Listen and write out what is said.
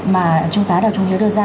mà chú tá đào trung hiếu đưa ra